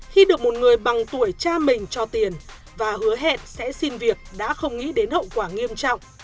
khi được một người bằng tuổi cha mình cho tiền và hứa hẹn sẽ xin việc đã không nghĩ đến hậu quả nghiêm trọng